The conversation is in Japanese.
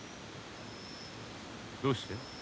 どうして？